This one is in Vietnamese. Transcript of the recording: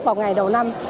vào ngày đầu năm